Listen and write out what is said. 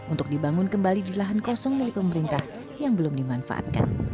untuk dibangun kembali di lahan kosong milik pemerintah yang belum dimanfaatkan